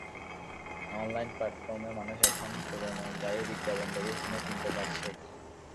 Online প্ল্যাটফর্মে মানুষ এখন পুরোনো গাড়ির বিজ্ঞাপন দেখে শুনে কিনতে পারছে।